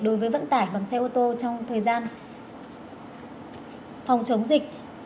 đối với vận tải bằng xe ô tô trong thời gian phòng chống dịch